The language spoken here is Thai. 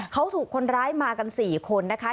เขาถูกคนร้ายมากัน๔คนนะคะ